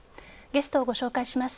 ゲストをご紹介します。